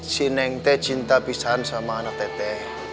si neng tete cinta pisahan sama anak tete